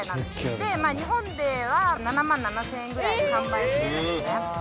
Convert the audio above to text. でまあ日本では７７，０００円くらいで販売してるんですね。